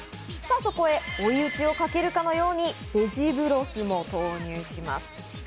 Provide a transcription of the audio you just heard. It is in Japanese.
そこで追い討ちをかけるかのようにベジブロスも投入します。